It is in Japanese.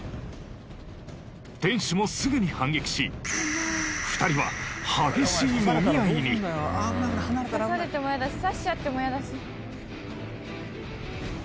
店主もすぐに反撃し２人は刺されても嫌だし刺しちゃっても嫌だし。